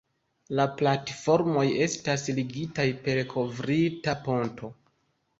La platformoj estas ligitaj per kovrita ponto.